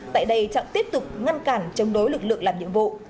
tại đây trọng tiếp tục ngăn cản chống đối lực lượng làm nhiệm vụ